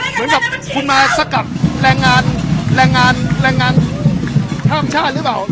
เหมือนกับคุณมาสกัดแรงงานแรงงานแรงงานข้ามชาติหรือเปล่า